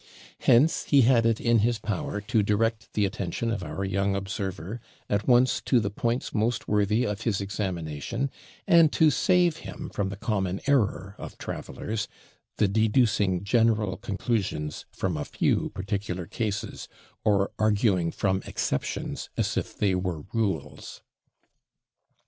Hence he had it in his power to direct the attention of our young observer at once to the points most worthy of his examination, and to save him from the common error of travellers the deducing general conclusions from a few particular cases, or arguing from exceptions as if they were rules.